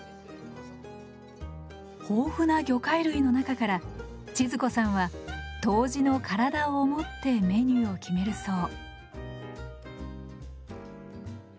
豊富な魚介類の中から千鶴子さんは杜氏の体を思ってメニューを決めるそう。